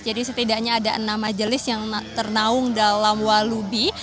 jadi setidaknya ada enam majelis yang ternaung dalam walubi